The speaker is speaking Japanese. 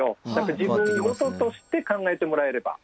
自分ごととして考えてもらえれば。